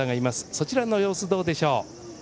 そちらの様子はどうでしょう。